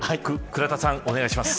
倉田さん、お願いします。